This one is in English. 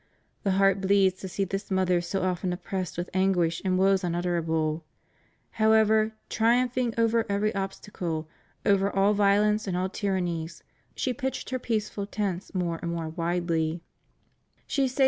The heart bleeds to see this mother so often oppressed with anguish and woes unutterable. However, triumphing over every obstacle, over all violence and all tyrannies, she pitched her peaceful tents more and more widely; she saved REVIEW OF HIS PONTIFICATE.